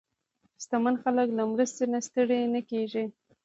شتمن خلک له مرستې نه ستړي نه کېږي.